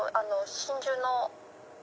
真珠の。